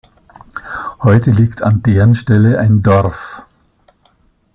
Heute liegt an deren Stelle ein Dorf.